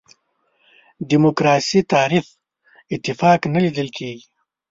دیموکراسي تعریف اتفاق نه لیدل کېږي.